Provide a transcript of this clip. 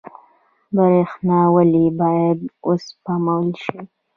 برښنا ولې باید وسپمول شي؟